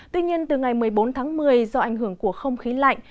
tuy nhiên từ ngày một mươi bốn tháng một mươi do ảnh hưởng của không khí lạnh